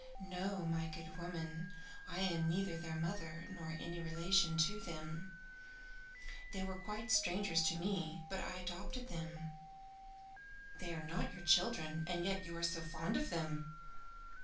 "No, my good woman; I am neither their mother nor any relation to them. They were quite strangers to me, but I adopted them." "They are not your children and yet you are so fond of them?"